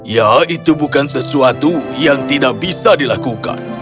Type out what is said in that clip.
ya itu bukan sesuatu yang tidak bisa dilakukan